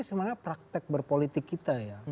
sebenarnya praktek berpolitik kita ya